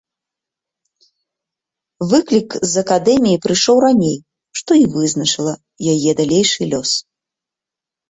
Выклік з акадэміі прыйшоў раней, што і вызначыла яе далейшы лёс.